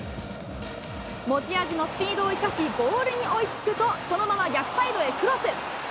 持ち味のスピードを生かし、ボールに追いつくと、そのまま逆サイドへクロス。